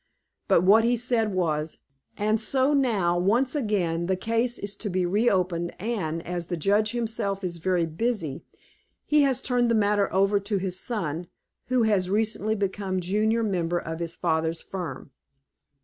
But what he said was: "And so now, once again, the case is to be reopened, and, as the judge himself is very busy, he has turned the matter over to his son, who has recently become junior member of his father's firm.